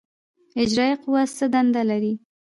اجرائیه قوه څه دنده لري؟